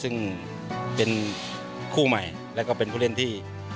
ซึ่งเป็นคู่ใหม่แล้วก็เป็นผู้เล่นที่